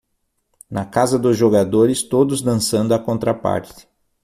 Na casa dos jogadores todos dançando a contraparte.